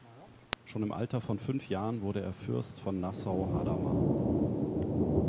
Schon im Alter von fünf Jahren wurde er Fürst von Nassau-Hadamar.